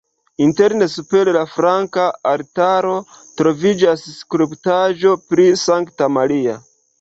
Interne super la flanka altaro troviĝas skulptaĵo pri Sankta Maria.